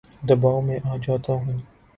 دباو میں آ جاتا ہوں